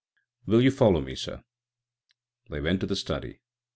Will you follow me, sir?" They went to the study.